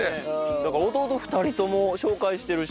だから弟２人とも紹介してるし。